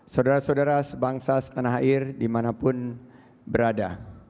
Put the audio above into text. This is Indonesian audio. saudara saudara sebangsa setanah air dimanapun berada